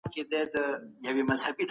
سلب صلاحیت څه پایلي لري؟